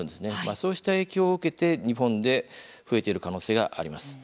そうした影響を受けて、日本で増えている可能性があります。